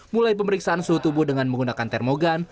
mulai pemeriksaan suhu tubuh dengan menggunakan termogan